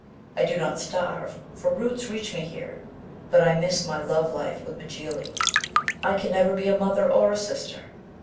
I do not starve, for roots reach me here. But I miss my love life with Mjly. I can never be a mother or a sister.